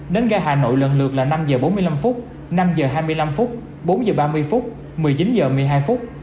đến gai hà nội lần lượt là năm h bốn mươi năm năm h hai mươi năm bốn h ba mươi một mươi chín h một mươi hai